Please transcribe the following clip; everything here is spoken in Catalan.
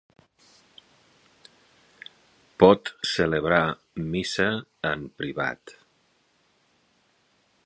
Pot celebrar missa en privat.